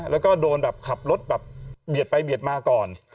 แล้วก็โดนแบบขับรถแบบเบียดไปเบียดมาก่อน